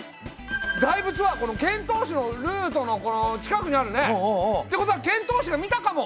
大仏は遣唐使のルートの近くにあるね！ってことは遣唐使が見たかも。